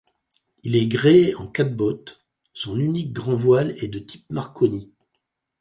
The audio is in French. Il est gréé en catboat; son unique grand-voile est de type marconi.